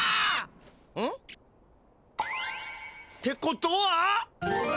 ん？ってことは。